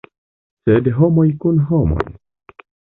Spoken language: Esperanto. Sed homoj kun homoj.